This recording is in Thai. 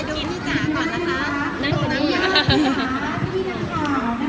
ขอกินหน่อยได้ไม่